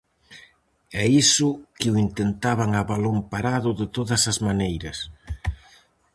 E iso que o intentaban a balón parado de todas as maneiras.